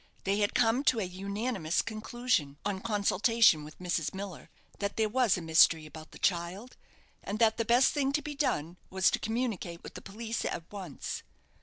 They had come to a unanimous conclusion, on consultation with Mrs. Miller, that there was a mystery about the child, and that the best thing to be done was to communicate with the police at once.